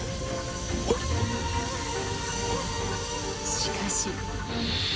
しかし。